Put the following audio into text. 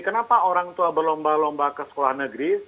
kenapa orang tua berlomba lomba ke sekolah negeri